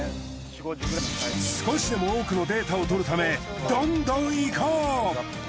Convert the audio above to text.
少しでも多くのデータを取るためどんどんいこう！